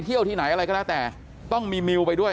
ที่ไหนอะไรก็แล้วแต่ต้องมีมิวไปด้วย